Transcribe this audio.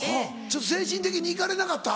ちょっと精神的にイカレなかった？